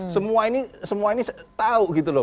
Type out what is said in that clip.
semua ini semua ini tahu gitu loh